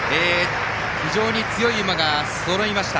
非常に強い馬がそろいました。